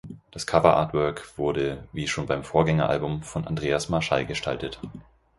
Das Cover-Artwork wurde, wie schon beim Vorgängeralbum, von Andreas Marschall gestaltet.